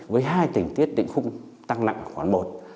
với hai tình tiết định khung tăng nặng khoảng một